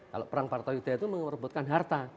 kalau perang partoyuda itu merebutkan harta